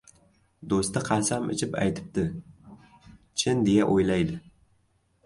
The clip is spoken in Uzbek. Do‘sti qasam ichib aytibdi, chin, deya o‘ylaydi.